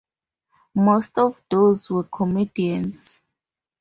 Most of these were comedies.